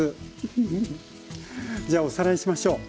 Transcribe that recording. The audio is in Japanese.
じゃあおさらいしましょう。